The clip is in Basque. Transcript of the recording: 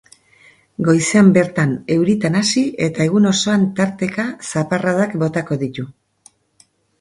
Goizean bertan euritan hasi eta egun osoan tarteka zaparradak botako ditu.